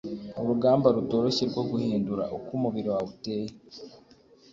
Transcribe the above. urugamba rutoroshye rwo guhindura uko umubiri wawe uteye.